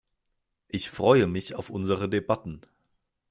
Ich freue mich auf unsere Debatten.